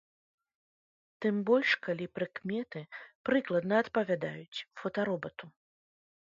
Тым больш, калі прыкметы прыкладна адпавядаюць фотаробату.